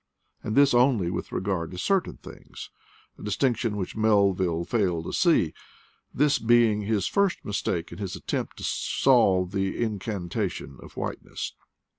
And this only with regard to certain things, a distinc tion which Melville failed to see, this being his first mistake in his attempt to "solve the incanta tion of whiteness."